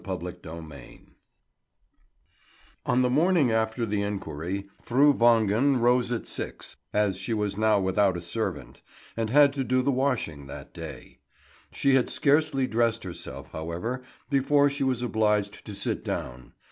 PART III CHAPTER I ON the morning after the inquiry, Fru Wangen rose at six, as she was now without a servant, and had to do the washing that day. She had scarcely dressed herself, however, before she was obliged to sit down.